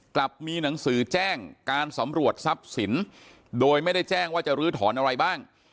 กลับมีหนังสือแจ้งการสำรวจทรัพย์สินโดยไม่ได้แจ้งว่าจะลื้อถอนอะไรบ้าง